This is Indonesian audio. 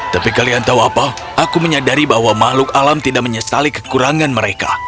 tapi apa yang kalian tahu aku menyadari bahwa makhluk alam tidak menyesali kekurangan mereka